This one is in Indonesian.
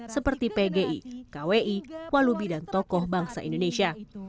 seperti pgi kwi walubi dan tokoh bangsa indonesia